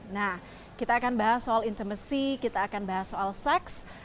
nah kita akan bahas soal intermacy kita akan bahas soal seks